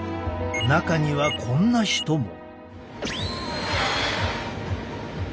中にはこんな人も。